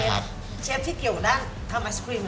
เชฟที่เกี่ยวด้านทำไอศครีม